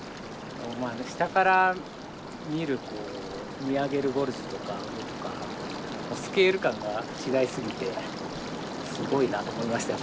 下から見るこう見上げるゴルジュとかスケール感が違いすぎてすごいなと思いましたよ。